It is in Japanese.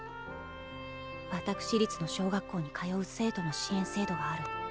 私立の小学校に通う生徒の支援制度がある。